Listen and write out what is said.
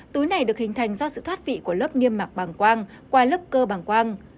túi này được hình thành do sự thoát vị của lớp niêm mạc bằng quang qua lớp cơ bằng quang